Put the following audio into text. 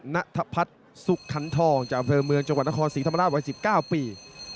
นภัทรสุขันธองจเมืองจคศิษย์ธรรมดาวัย๑๙ปี